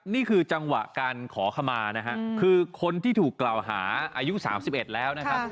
นี่คือจังหวะการขอขมานะฮะคือคนที่ถูกกล่าวหาอายุ๓๑แล้วนะครับ